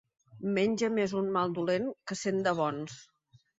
Menja més un mal dolent que cent de bons.